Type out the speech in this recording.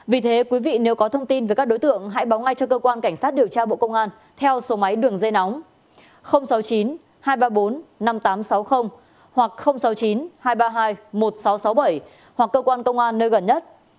vì thế quý vị nếu có thông tin về các đối tượng hãy báo ngay cho cơ quan cảnh sát điều tra bộ công an theo số máy đường dây nóng sáu mươi chín hai trăm ba mươi bốn năm nghìn tám trăm sáu mươi hoặc sáu mươi chín hai trăm ba mươi hai một nghìn sáu trăm sáu mươi bảy hoặc cơ quan công an nơi gần nhất